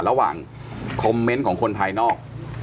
ระหว่างคอมเมนต์ของคนภายนอก